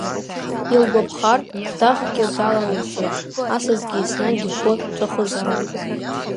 Илгәаԥхар, кәтаӷькгьы далалыгӡоит, асасгьы еснагь ихәы ҵәахызаауеит.